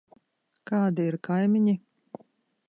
Kādi ir kaimiņi?